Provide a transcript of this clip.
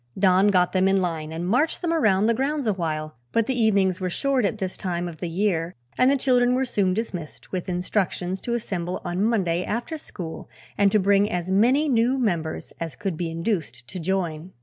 Don got them in line and marched them around the grounds awhile, but the evenings were short at this time of the year and the children were soon dismissed with instructions to assemble on Monday after school and to bring as many new members as could be induced to join.